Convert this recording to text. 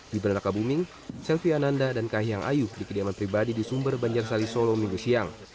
gibran raka buming selvi ananda dan kahiyang ayu di kediaman pribadi di sumber banjarsari solo minggu siang